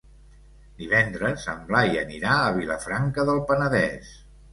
Divendres en Blai anirà a Vilafranca del Penedès.